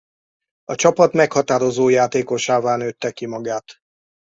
A csapat meghatározó játékosává nőtte ki magát.